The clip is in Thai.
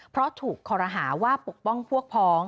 เพราะถูกคอรหาว่าปกป้องพวกพ้อง